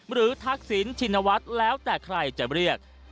ทักษิณชินวัฒน์แล้วแต่ใครจะเรียก